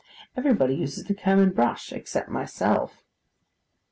Everybody uses the comb and brush, except myself.